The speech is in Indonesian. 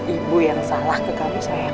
ibu yang salah ke kamu saya